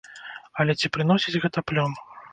Але ці прыносіць гэта плён?